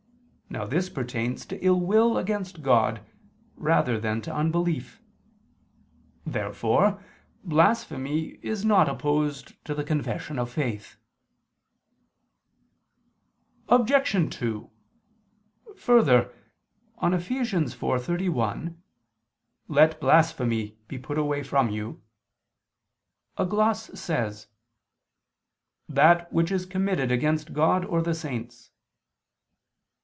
Now this pertains to ill will against God rather than to unbelief. Therefore blasphemy is not opposed to the confession of faith. Obj. 2: Further, on Eph. 4:31, "Let blasphemy ... be put away from you," a gloss says, "that which is committed against God or the saints."